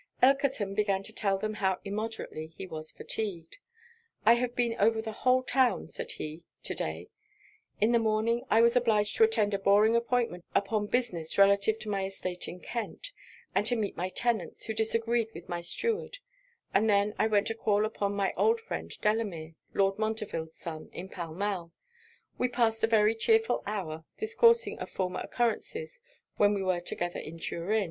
Elkerton began to tell them how immoderately he was fatigued. 'I have been over the whole town,' said he, 'to day. In the morning I was obliged to attend a boring appointment upon business relative to my estate in Kent; and to meet my tenants, who disagreed with my steward; and then, I went to call upon my old friend Delamere, Lord Montreville's son, in Pall Mall; we passed a very chearful hour discoursing of former occurrences when we were together at Turin.